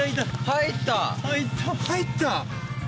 入った。